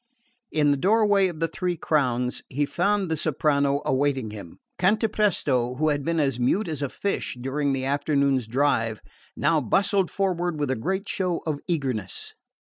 In the doorway of the Three Crowns he found the soprano awaiting him. Cantapresto, who had been as mute as a fish during the afternoon's drive, now bustled forward with a great show of eagerness.